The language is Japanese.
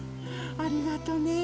ありがとねうん。